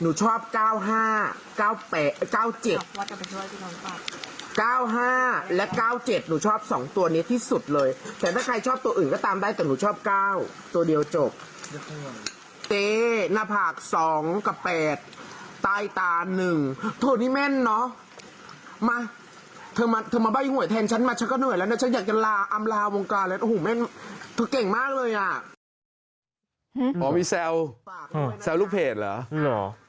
นี่ชอบ๙๕๙๘๙๗๙๕และ๙๗หนูชอบสองตัวนี้ที่สุดเลยแต่ถ้าใครชอบตัวอื่นก็ตามได้แต่หนูชอบ๙ตัวเดียวจบเตะหน้าผาก๒กับ๘ใต้ตา๑โถ่นี่แม่นเนาะมาเธอมาเบ้ายุงหวยแทนฉันมาฉันก็เหนื่อยแล้วนะฉันอยากจะลาอำลาวงกาแล้วโถ่เม่นเธอเก่งมากเลยอ่ะอ๋อมีแซลแซลลูกเพจเหรอ